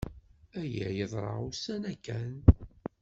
Aya yeḍra ussan-a kan.